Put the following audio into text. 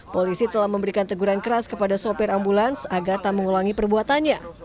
polisi telah memberikan teguran keras kepada sopir ambulans agar tak mengulangi perbuatannya